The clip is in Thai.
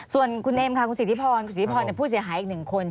ส่วนคุณเอมค่ะคุณสิทธิพรคุณสิทธิพรผู้เสียหายอีกหนึ่งคน